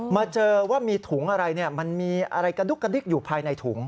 มาเจอว่ามีถุงอะไรมันมีอะไรกระดุ๊กกระดิ๊กอยู่ภายในถุง